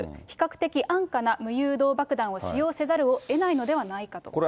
比較的安価な無誘導爆弾を使用せざるをえないのではないかと。